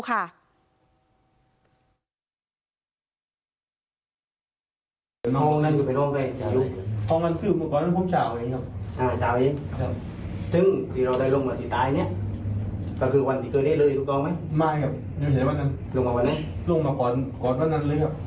ก็คือวันที่เกิดได้เลยทุกคนไหมไม่ครับยังไม่ใช่วันนั้นลงมาวันนั้นลงมาก่อนก่อนวันนั้นเลยครับ